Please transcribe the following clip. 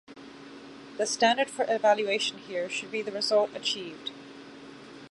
The standard for evaluation here should be the result achieved.